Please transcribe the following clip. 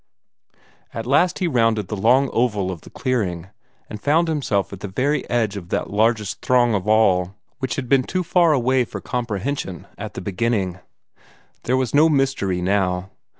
At last he rounded the long oval of the clearing, and found himself at the very edge of that largest throng of all, which had been too far away for comprehension at the beginning. There was no mystery now.